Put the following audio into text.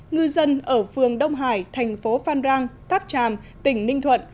ngư dân ở phường đông hải thành phố phan rang tháp tràm tỉnh ninh thuận